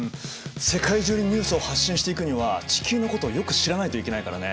世界中にニュースを発信していくには地球のことをよく知らないといけないからね。